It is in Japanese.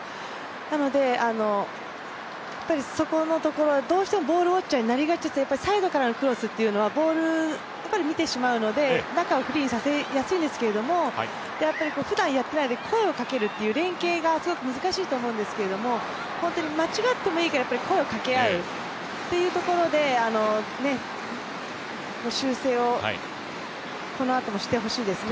なので、そこのところはどうしてもボールウォッチャーになりがち、サイドからのクロスというのはボールを見てしまうので、中をフリーにさせやすいんですけど、ふだんやっていないので声をかけるという連係がすごく難しいと思うんですけど間違ってもいいから、声をかけ合うというところで、修正をこのあともしてほしいですね。